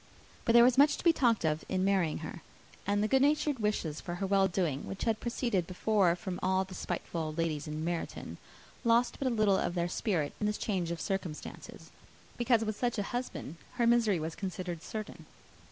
But there was much to be talked of, in marrying her; and the good natured wishes for her well doing, which had proceeded before from all the spiteful old ladies in Meryton, lost but little of their spirit in this change of circumstances, because with such a husband her misery was considered certain.